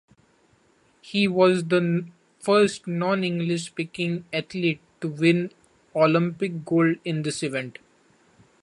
He was the first non-English speaking athlete to win Olympic gold in this event.